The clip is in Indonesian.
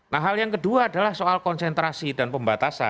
nah hal yang kedua adalah soal konsentrasi dan pembatasan